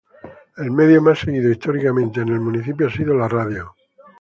El medio más seguido históricamente en el municipio ha sido la radio.